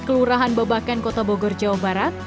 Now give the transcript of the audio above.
kelurahan babakan kota bogor jawa barat